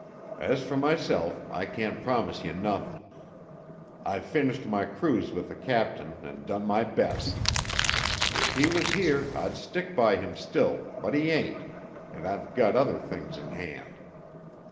As fer myself, I can't promise ye nothin'. I've finished my cruise with the captain an' done my best. If he was here, I'd stick by him still, but he ain't, an' I've gut other things in hand.